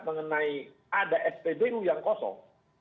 mengenai ada spbu yang kosong